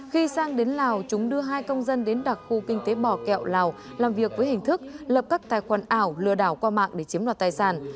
khi sang đến lào chúng đưa hai công dân đến đặc khu kinh tế bò kẹo lào làm việc với hình thức lập các tài khoản ảo lừa đảo qua mạng để chiếm đoạt tài sản